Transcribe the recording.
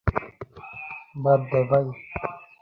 বাদ দে ভাই।